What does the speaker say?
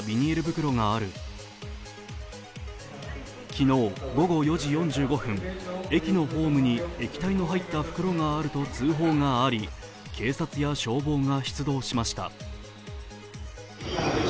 昨日午後４時４５分、駅のホームに液体の入った袋があると通報があり、警察や消防が出動しました。